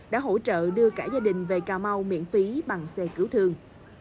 đã hỗ trợ đưa cả gia đình về cà mau miễn phí bằng xe cứu thương